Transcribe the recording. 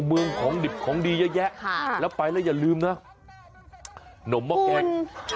เมืองของดิบของดีเยอะแยะแล้วไปแล้วอย่าลืมนะหนมมะกง